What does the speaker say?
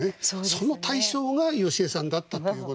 その対象が芳恵さんだったということで。